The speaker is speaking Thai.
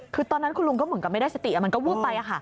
คือตอนนั้นคุณลุงก็เหมือนกับไม่ได้สติมันก็วูบไป